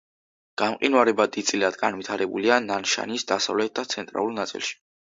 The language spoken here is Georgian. გამყინვარება დიდწილად განვითარებულია ნანშანის დასავლეთ და ცენტრალურ ნაწილში.